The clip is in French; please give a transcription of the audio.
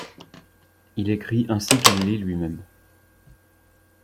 Il écrit ainsi qu'il lit lui-même.